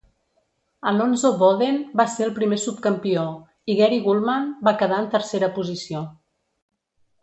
Alonzo Bodden va ser el primer subcampió i Gary Gulman va quedar en tercera posició.